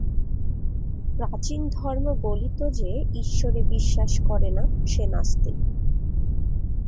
প্রাচীন ধর্ম বলিত যে ঈশ্বরে বিশ্বাস করে না, সে নাস্তিক।